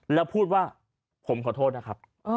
แล้วพูดว่าผมขอโทษนะครับ